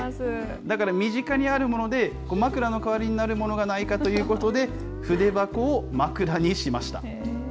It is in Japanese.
だから身近にあるもので、枕の代わりになるものがないかということで、筆箱を枕にしました。